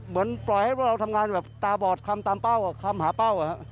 ปล่อยให้พวกเราทำงานแบบตาบอดคำตามเป้าคำหาเป้า